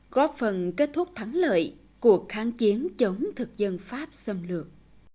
góp phần kết thúc thắng lợi cuộc kháng chiến chống thực dân pháp xâm lược